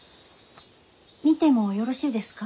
見てもよろしいですか？